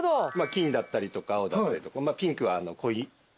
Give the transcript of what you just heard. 金だったりとか青だったりとかピンクは恋鮪みくじ。